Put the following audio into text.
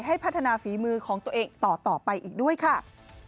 ให้พัฒนาฝีมือของตัวเองต่อไปอีกด้วยค่ะ